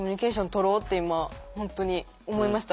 とろうって今本当に思いました。